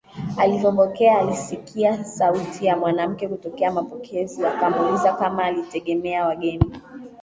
Alivopokea alisikia sauti ya mwanamke kutokea mapokezi akimuuliza kama alitegemea wageni